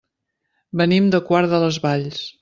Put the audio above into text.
Venim de Quart de les Valls.